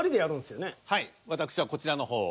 はい私はこちらの方を。